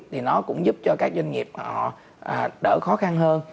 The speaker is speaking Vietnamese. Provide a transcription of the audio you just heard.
thì nó cũng giúp cho các doanh nghiệp họ đỡ khó khăn hơn